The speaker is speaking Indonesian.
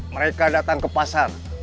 mereka datang ke pasar